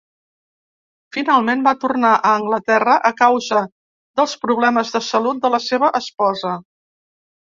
Finalment, va tornar a Anglaterra a causa dels problemes de salut de la seva esposa.